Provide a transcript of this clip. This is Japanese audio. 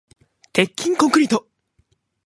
鉄筋コンクリート